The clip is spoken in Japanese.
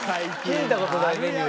聞いた事ないメニュー。